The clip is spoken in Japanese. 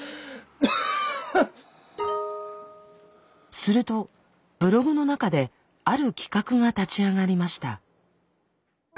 するとブログの中である企画が立ち上がりました。